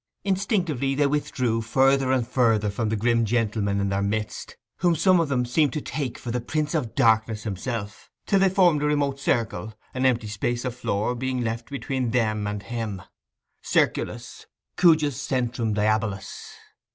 Instinctively they withdrew further and further from the grim gentleman in their midst, whom some of them seemed to take for the Prince of Darkness himself; till they formed a remote circle, an empty space of floor being left between them and him— '... circulus, cujus centrum diabolus.